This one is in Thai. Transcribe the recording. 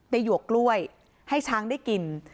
หยวกกล้วยให้ช้างได้กิน